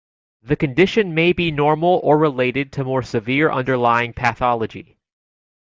The condition may be normal or related to more severe underlying pathology.